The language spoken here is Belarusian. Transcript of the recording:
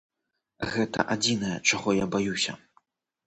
Гэта адзінае, чаго я баюся.